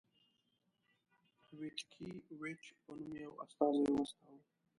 ویتکي ویچ په نوم یو استازی واستاوه.